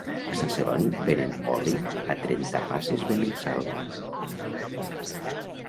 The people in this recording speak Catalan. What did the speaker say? A Sant Celoni venen oli a Trentapasses venen sal